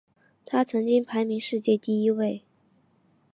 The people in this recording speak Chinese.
他曾经排名世界第一位。